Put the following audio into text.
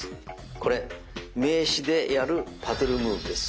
これ名刺でやるパドル・ムーブです。